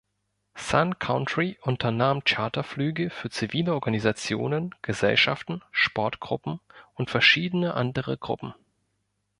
Sun Country unternahm Charterflüge für zivile Organisationen, Gesellschaften, Sportgruppen und verschiedene andere Gruppen.